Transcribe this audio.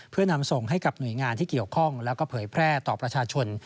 เพื่อนำส่งให้กับหน่วยงานที่เกี่ยวข้องแล้วก็เผยแพร่ต่อประชาชน